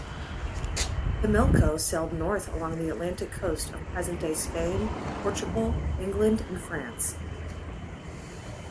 Himilco sailed north along the Atlantic coast of present-day Spain, Portugal, England and France.